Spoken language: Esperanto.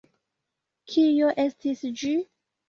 Kio estis ĝi?